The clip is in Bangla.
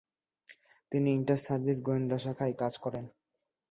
তিনি ইন্টার সার্ভিস গোয়েন্দা শাখায় কাজ করেন।